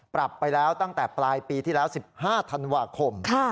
ปรับไปแล้วตั้งแต่ปลายปีที่แล้ว๑๕ธันวาคม